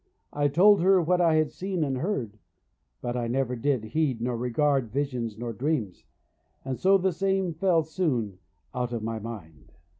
I told her what I had seen and heard; but I never did heed nor regard visions nor dreams; and so the same fell soon out of my mind.